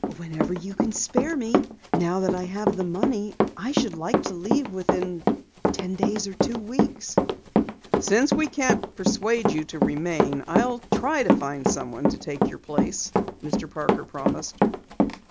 "Whenever you can spare me. Now that I have the money, I should like to leave within ten days or two weeks." "Since we can't persuade you to remain, I'll try to find someone to take your place," Mr. Parker promised.